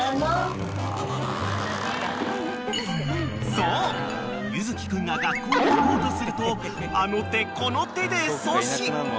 ［そう優月君が学校に行こうとするとあの手この手で阻止］